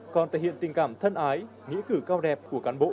còn thể hiện tình cảm thân ái nghĩa cử cao đẹp của cán bộ